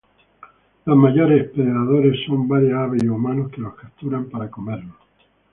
Los mayores predadores son varias aves y humanos, que los capturan para comerlos.